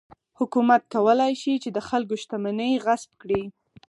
حکومت کولای شي چې د خلکو شتمنۍ غصب کړي.